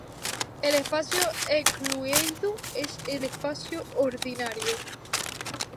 El espacio euclídeo es el espacio ordinario.